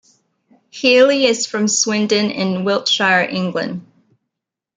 Healey is from Swindon in Wiltshire, England.